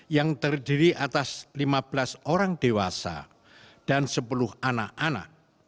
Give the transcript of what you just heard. yang terdiri atas lima belas orang dewasa dan sepuluh anak anak